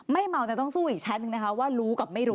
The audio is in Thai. เมาแต่ต้องสู้อีกชั้นหนึ่งนะคะว่ารู้กับไม่รู้